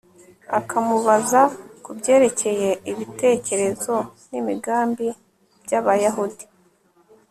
akamubaza ku byerekeye ibitekerezo n'imigambi by'abayahudi